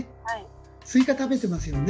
スイカ食べてますよね。